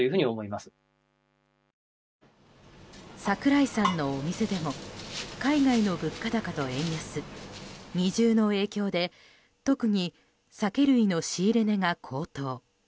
櫻井さんのお店でも海外の物価高と円安二重の影響で特に酒類の仕入れ値が高騰。